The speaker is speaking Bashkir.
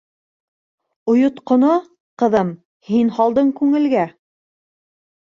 Ойотҡоно, ҡыҙым, һин һалдың күңелгә.